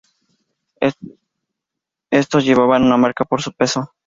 Estos llevaban una marca por su peso.